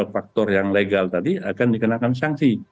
faktor yang legal tadi akan dikenakan sanksi